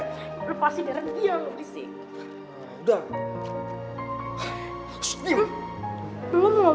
lepasi darah dia lo berisik